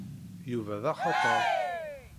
Yuba d axatar.